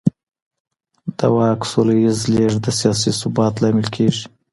د واک سوله ييز لېږد د سياسي ثبات لامل کېږي.